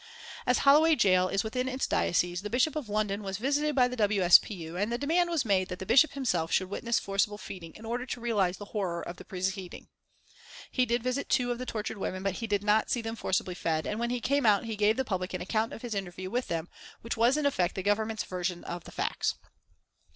As Holloway Gaol is within his diocese, the Bishop of London was visited by the W. S. P. U. and the demand was made that the Bishop himself should witness forcible feeding in order to realise the horror of the proceeding. He did visit two of the tortured women, but he did not see them forcibly fed, and when he came out he gave the public an account of his interview with them which was in effect the Government's version of the facts.